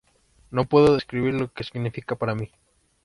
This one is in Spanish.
No puedo describir lo que significa para mí.